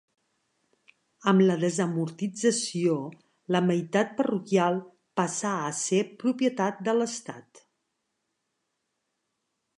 Amb la desamortització, la meitat parroquial passà a ser propietat de l'Estat.